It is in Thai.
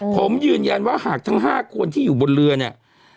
ผมยืนยันว่าหากทั้ง๕คนที่อยู่บนเรือเนี่ย